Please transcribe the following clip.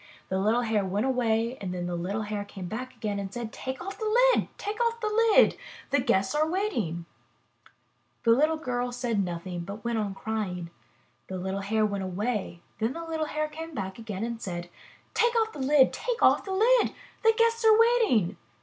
The little Hare went away; then the little Hare came back again and said : ^Take off the lid of the pot! Take off the lid! The guests are hungry!'' The little girl said nothing but went on crying. The little Hare went away; then the little Hare came back again and said: '*Take off the lid! Take off the lid! The guests are waiting!''